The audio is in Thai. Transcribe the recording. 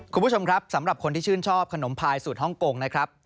คุณผู้ชมครับสำหรับคนที่ชื่นชอบขนมพายสูตรฮ่องกงนะครับ